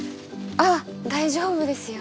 あっ大丈夫ですよ。